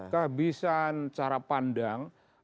kehabisan cara pandang